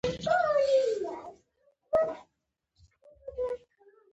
مګر نور محمد شاه هوښیار سړی وو.